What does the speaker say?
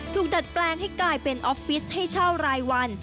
ดัดแปลงให้กลายเป็นออฟฟิศให้เช่ารายวัน